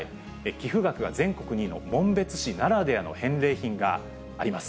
寄付額が全国２位の紋別市ならではの返礼品があります。